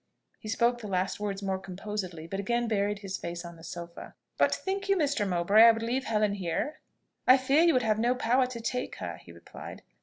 He spoke the last words more composedly, but again buried his face on the sofa. "But think you, Mr. Mowbray, I would leave Helen here?" "I fear you will have no power to take her," he replied.